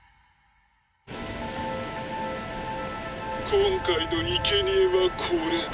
今回のいけにえはこれだ。